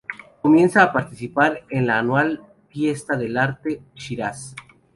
Comienza a participar en la anual Fiesta del Arte de Shiraz.